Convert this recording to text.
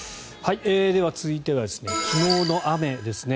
では、続いては昨日の雨ですね。